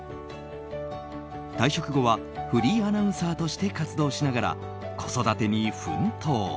退職後はフリーアナウンサーとして活動しながら、子育てに奮闘。